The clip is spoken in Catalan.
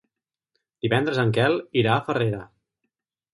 Divendres en Quel irà a Farrera.